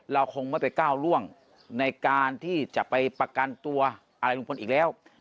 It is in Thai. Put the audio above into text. เราคงไม่ไปก้าวร่วงในการที่จะไปประกันตัวอะไรลุงพลอีกแล้ว